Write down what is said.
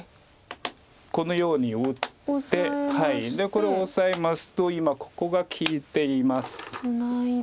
これオサえますと今ここが利いていますので。